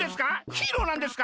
ヒーローなんですか？